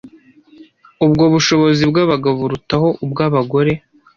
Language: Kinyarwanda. ubwo bushobozi bw’abagabo burutaho ubw’abagore